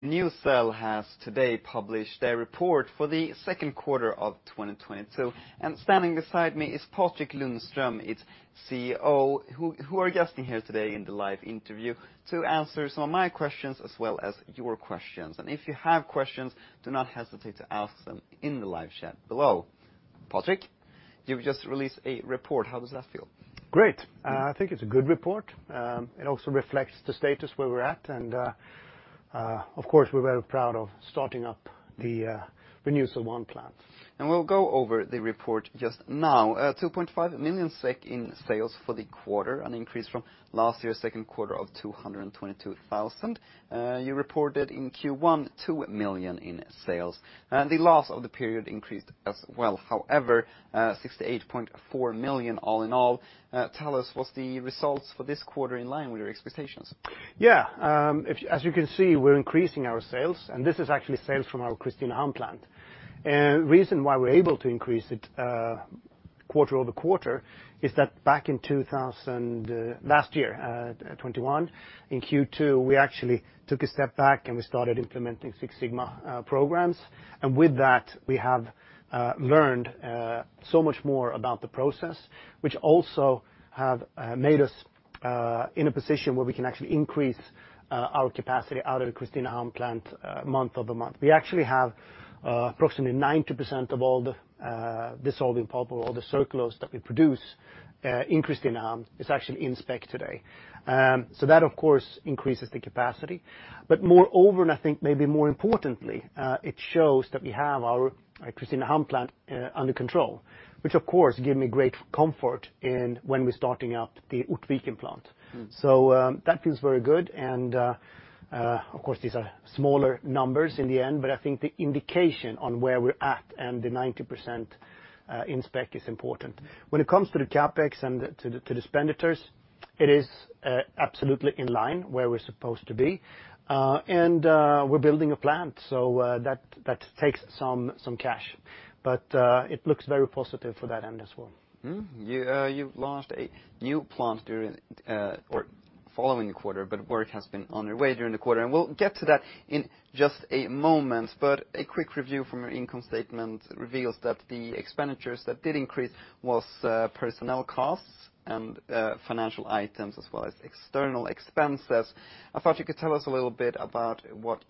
Re:NewCell has today published their report for the second quarter of 2022. And standing beside me is Patrik Lundström, its CEO, who are guesting here today in the live interview to answer some of my questions as well as your questions. If you have questions, do not hesitate to ask them in the live chat below. Patrik, you've just released a report. How does that feel? Great. I think it's a good report. It also reflects the status where we're at, and, of course, we're very proud of starting up the Renewcell 1 plant. We'll go over the report just now. 2.5 million SEK in sales for the quarter, an increase from last year's second quarter of 222,000. You reported in Q1, 2 million in sales. The loss of the period increased as well. However, 68.4 million all in all. Tell us, was the results for this quarter in line with your expectations? Yeah. As you can see, we're increasing our sales, and this is actually sales from our Kristinehamn plant. Reason why we're able to increase it quarter-over-quarter is that back in last year, 2021, in Q2, we actually took a step back and we started implementing Six Sigma programs. With that, we have learned so much more about the process, which also have made us in a position where we can actually increase our capacity out of the Kristinehamn plant month-over-month. We actually have approximately 90% of all the dissolving pulp or the Circulose that we produce in Kristinehamn is actually in spec today. So that, of course, increases the capacity. But moreover, and I think maybe more importantly, it shows that we have our Kristinehamn plant under control, which of course give me great comfort in when we're starting up the Ortviken plant. That feels very good and, of course, these are smaller numbers in the end, but I think the indication on where we're at and the 90% in spec is important. When it comes to the CapEx and to the expenditures, it is absolutely in line where we're supposed to be. We're building a plant, so that takes some cash. It looks very positive for that end as well. You've launched a new plant during, or following the quarter, work has been underway during the quarter, and we'll get to that in just a moment. A quick review from your income statement reveals that the expenditures that did increase was personnel costs and financial items, as well as external expenses. I thought you could tell us a little bit about what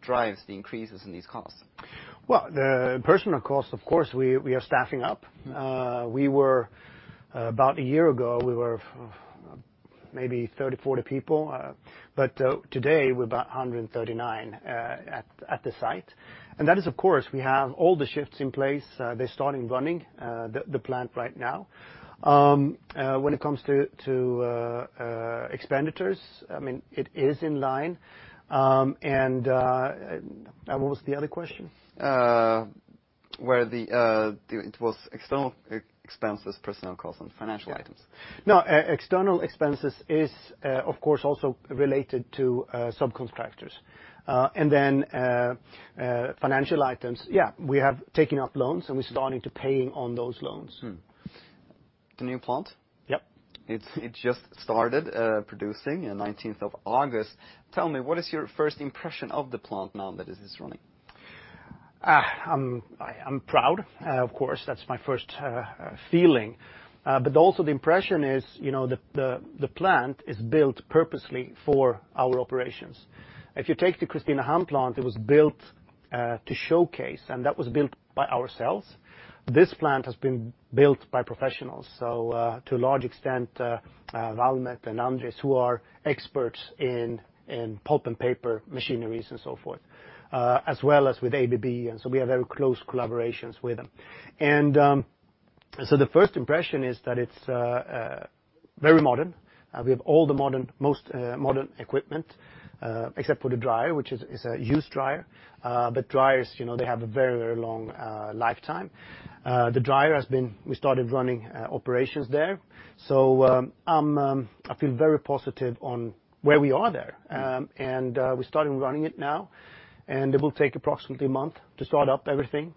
drives the increases in these costs. The personnel cost, of course, we are staffing up. About a year ago, we were maybe 30, 40 people. Today, we're about 139 at the site. That is, of course, we have all the shifts in place. They're starting running the plant right now. When it comes to expenditures, it is in line. What was the other question? It was external expenses, personnel costs, and financial items. No, external expenses is, of course, also related to subcontractors. Financial items. We have taken up loans, and we're starting to paying on those loans. The new plant? Yep. It just started producing in the 19th of August. Tell me, what is your first impression of the plant now that it is running? I'm proud, of course. That's my first feeling. Also the impression is the plant is built purposely for our operations. If you take the Kristinehamn plant, it was built to showcase, and that was built by ourselves. This plant has been built by professionals, to a large extent, Valmet and Andritz, who are experts in pulp and paper machineries and so forth, as well as with ABB. We have very close collaborations with them. The first impression is that it's very modern. We have most modern equipment, except for the dryer, which is a used dryer. Dryers, they have a very long lifetime. The dryer, we started running operations there. I feel very positive on where we are there. We're starting running it now. It will take approximately a month to start up everything.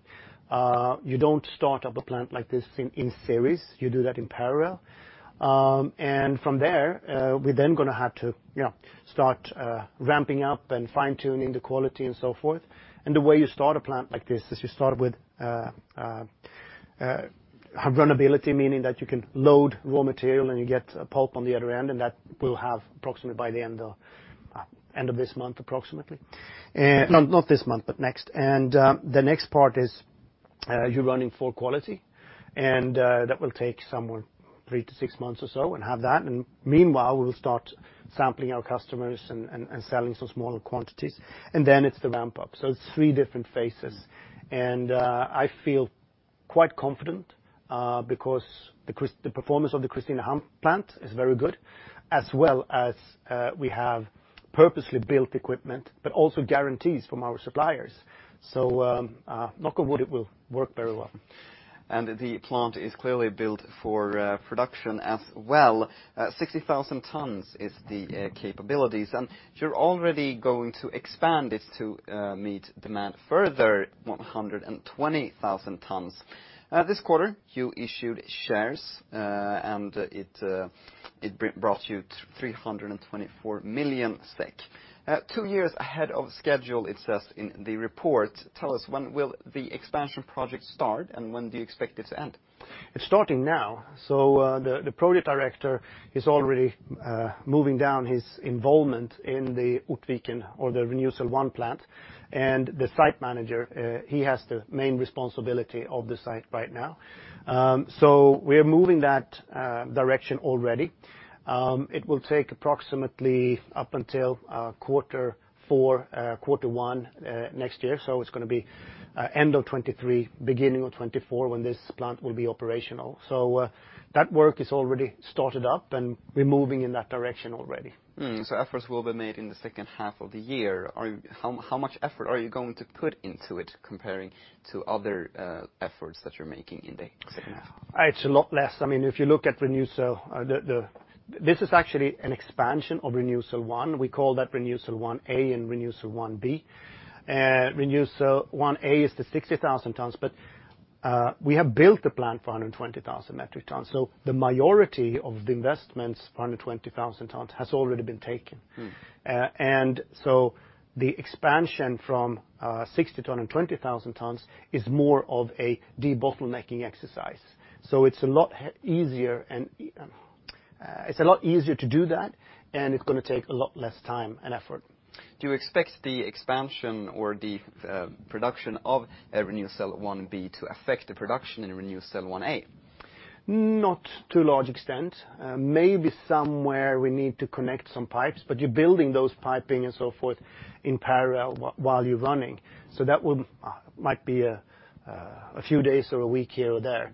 You don't start up a plant like this in series, you do that in parallel. From there, we're then going to have to start ramping up and fine-tuning the quality and so forth. The way you start a plant like this, is you start with runnability, meaning that you can load raw material and you get pulp on the other end, and that we'll have approximately by the end of this month, approximately. No, not this month, but next. The next part is you're running for quality, and that will take somewhere three to six months or so, and have that, and meanwhile, we'll start sampling our customers and selling some smaller quantities. Then it's the ramp-up. It's three different phases. I feel quite confident, because the performance of the Kristinehamn plant is very good, as well as we have purposely built equipment, also guarantees from our suppliers. Knock on wood, it will work very well. The plant is clearly built for production as well. 60,000 tons is the capabilities, you're already going to expand it to meet demand further, 120,000 tons. This quarter, you issued shares, it brought you 324 million SEK. Two years ahead of schedule, it says in the report. Tell us, when will the expansion project start, and when do you expect it to end? It's starting now. The project director is already moving down his involvement in the Ortviken or the Renewcell 1 plant, the site manager, he has the main responsibility of the site right now. We are moving that direction already. It will take approximately up until quarter one next year. It's going to be end of 2023, beginning of 2024 when this plant will be operational. That work is already started up, and we're moving in that direction already. Efforts will be made in the second half of the year. How much effort are you going to put into it comparing to other efforts that you're making in the second half? It's a lot less. This is actually an expansion of Renewcell 1. We call that Renewcell 1A andRenewcell 1B. Renewcell 1A is the 60,000 tons, but we have built the plant for 120,000 metric tons. The majority of the investments for 120,000 tons has already been taken. The expansion from 60 to 120,000 tons is more of a debottlenecking exercise. It's a lot easier to do that, and it's going to take a lot less time and effort. Do you expect the expansion or the production of Renewcell 1B to affect the production in Renewcell 1A? Not to a large extent. Maybe somewhere we need to connect some pipes, but you're building those piping and so forth in parallel while you're running. That might be a few days or a week here or there.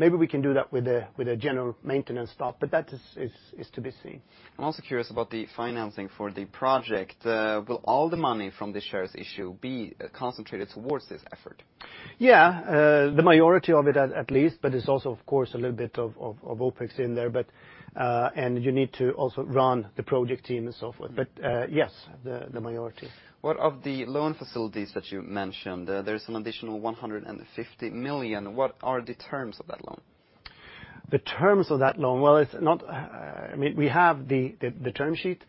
Maybe we can do that with a general maintenance stop, but that is to be seen. I'm also curious about the financing for the project. Will all the money from the shares issue be concentrated towards this effort? Yeah. The majority of it at least, but it's also of course a little bit of OpEx in there, and you need to also run the project team and so forth. Yes, the majority. What of the loan facilities that you mentioned? There is some additional 150 million. What are the terms of that loan? The terms of that loan, well, we have the term sheet.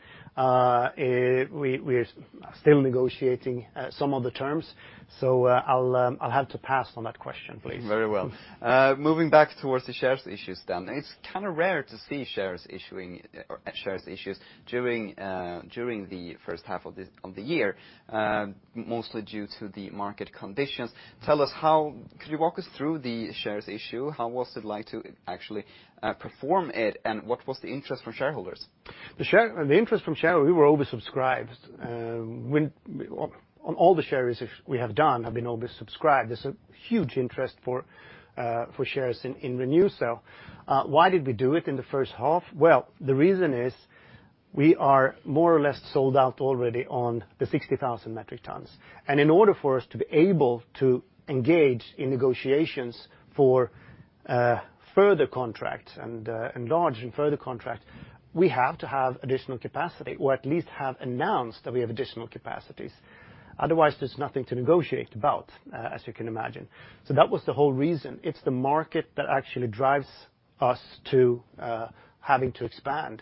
We're still negotiating some of the terms, so I'll have to pass on that question, please. Very well. Moving back towards the shares issues. It's kind of rare to see shares issuing or shares issues during the first half of the year, mostly due to the market conditions. Could you walk us through the shares issue? How was it like to actually perform it, and what was the interest from shareholders? The interest from shareholders, we were oversubscribed. All the shares we have done have been oversubscribed. There's a huge interest for shares in Re:NewCell. Why did we do it in the first half? Well, the reason is we are more or less sold out already on the 60,000 metric tons. In order for us to be able to engage in negotiations for further contracts and enlarge and further contracts, we have to have additional capacity or at least have announced that we have additional capacities. Otherwise, there's nothing to negotiate about, as you can imagine. That was the whole reason. It's the market that actually drives us to having to expand.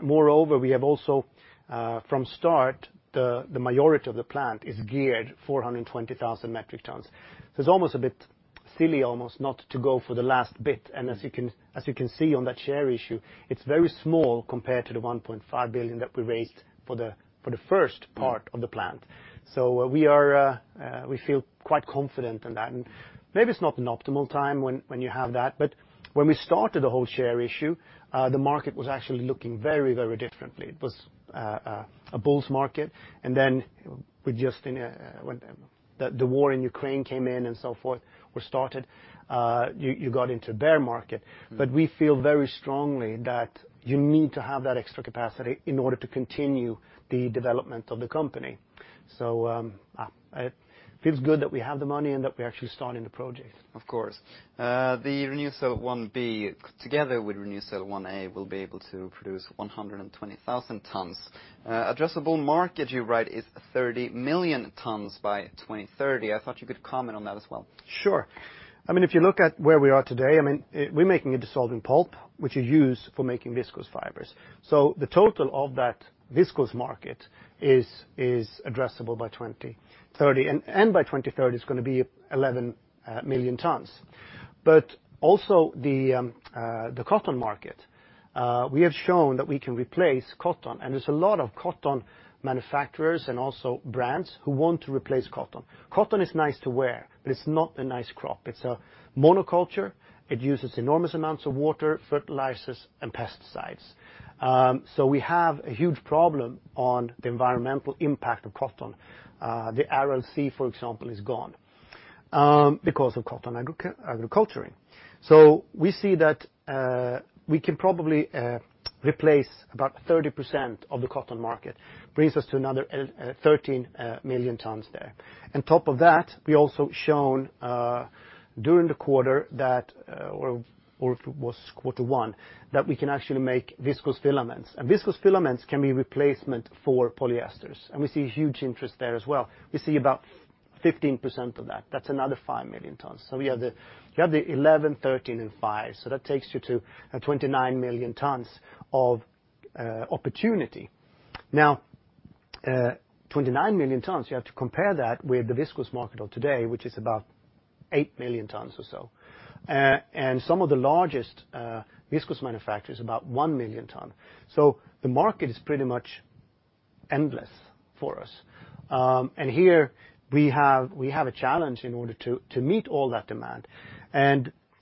Moreover, we have also from start, the majority of the plant is geared for 120,000 metric tons. It's almost a bit silly almost not to go for the last bit. As you can see on that share issue, it's very small compared to the 1.5 billion that we raised for the first part of the plant. We feel quite confident in that. Maybe it's not an optimal time when you have that, when we started the whole share issue, the market was actually looking very differently. It was a bull's market, the war in Ukraine came in and so forth, you got into bear market. We feel very strongly that you need to have that extra capacity in order to continue the development of the company. It feels good that we have the money and that we're actually starting the project. Of course. The Renewcell 1B together with Re:NewCell 1A will be able to produce 120,000 tons. Addressable market you write is 30 million tons by 2030. I thought you could comment on that as well. Sure. If you look at where we are today, we're making a dissolving pulp, which you use for making viscose fibers. The total of that viscose market is addressable by 2030, and by 2030 it's going to be 11 million tons. Also the cotton market, we have shown that we can replace cotton, and there's a lot of cotton manufacturers and also brands who want to replace cotton. Cotton is nice to wear, but it's not a nice crop. It's a monoculture. It uses enormous amounts of water, fertilizers, and pesticides. We have a huge problem on the environmental impact of cotton. The Aral Sea, for example, is gone because of cotton agriculture. We see that we can probably replace about 30% of the cotton market, brings us to another 13 million tons there. On top of that, we also shown during the quarter that, or it was quarter one, that we can actually make viscose filaments. Viscose filaments can be replacement for polyesters, and we see huge interest there as well. We see about 15% of that. That's another 5 million tons. We have the 11, 13, and 5, so that takes you to 29 million tons of opportunity. Now, 29 million tons, you have to compare that with the viscose market of today, which is about 8 million tons or so. Some of the largest viscose manufacturer is about 1 million ton. The market is pretty much endless for us. Here we have a challenge in order to meet all that demand.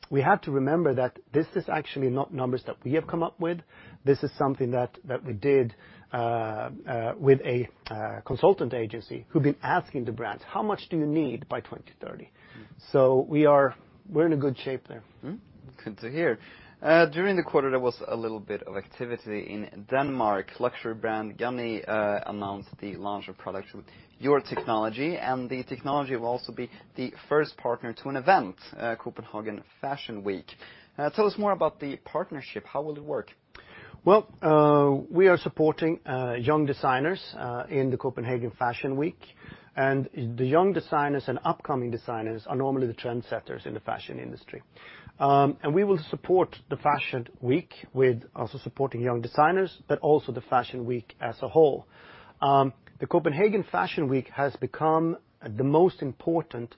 We have to remember that this is actually not numbers that we have come up with. This is something that we did with a consultant agency who've been asking the brands, "How much do you need by 2030?" We are in a good shape there. Good to hear. During the quarter, there was a little bit of activity in Denmark. Luxury brand Ganni announced the launch of product with your technology. The technology will also be the first partner to an event, Copenhagen Fashion Week. Tell us more about the partnership. How will it work? Well, we are supporting young designers in the Copenhagen Fashion Week. The young designers and upcoming designers are normally the trendsetters in the fashion industry. We will support the Fashion Week with also supporting young designers, but also the Fashion Week as a whole. The Copenhagen Fashion Week has become the most important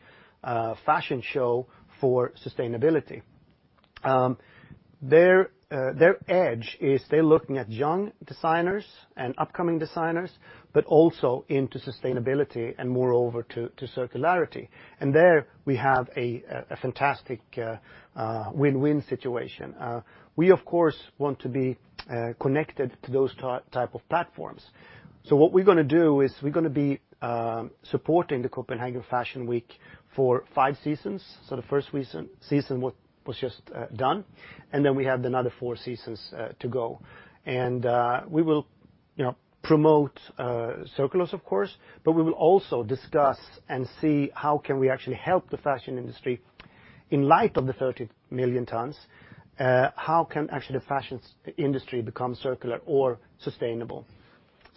fashion show for sustainability. Their edge is they're looking at young designers and upcoming designers, but also into sustainability and moreover to circularity. There we have a fantastic win-win situation. We, of course, want to be connected to those type of platforms. What we're going to do is we're going to be supporting the Copenhagen Fashion Week for five seasons. The first season was just done, and then we have another four seasons to go. We will promote Circulose, of course, but we will also discuss and see how can we actually help the fashion industry in light of the 30 million tons, how can actually the fashion industry become circular or sustainable.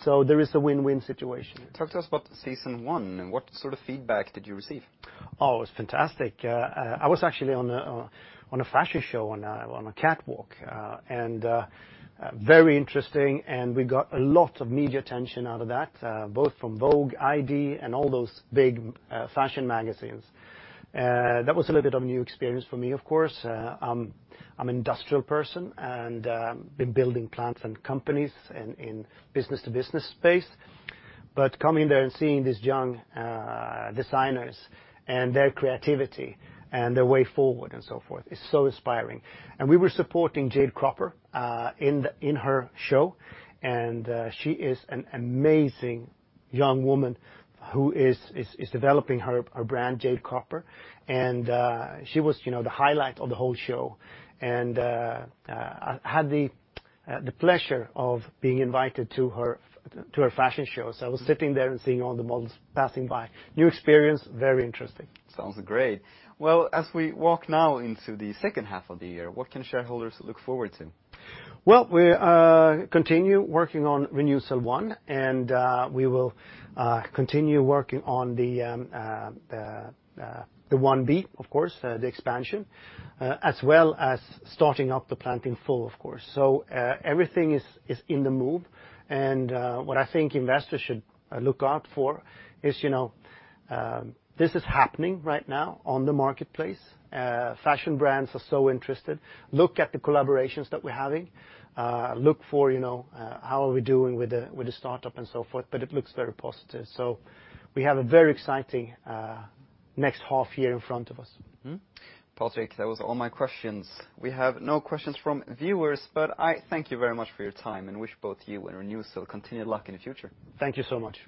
There is a win-win situation. Talk to us about season one. What sort of feedback did you receive? Oh, it was fantastic. I was actually on a fashion show on a catwalk, and very interesting, and we got a lot of media attention out of that, both from Vogue, i-D, and all those big fashion magazines. That was a little bit of a new experience for me, of course. I'm industrial person and been building plants and companies in business to business space. Coming there and seeing these young designers and their creativity and their way forward and so forth is so inspiring. We were supporting Jade Cropper in her show, and she is an amazing young woman who is developing her brand, Jade Cropper. She was the highlight of the whole show. I had the pleasure of being invited to her fashion show. I was sitting there and seeing all the models passing by. New experience, very interesting. Sounds great. Well, as we walk now into the second half of the year, what can shareholders look forward to? Well, we continue working on Renewcell 1, and we will continue working on the One B, of course, the expansion, as well as starting up the plant in full, of course. Everything is in the move, what I think investors should look out for is this is happening right now on the marketplace. Fashion brands are so interested. Look at the collaborations that we're having. Look for how are we doing with the startup and so forth, it looks very positive. We have a very exciting next half year in front of us. Patrik, that was all my questions. We have no questions from viewers, I thank you very much for your time and wish both you and Re:NewCell continued luck in the future. Thank you so much.